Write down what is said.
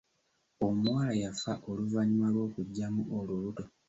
Omuwala yafa oluvannyuma lw’okuggyamu olubuto.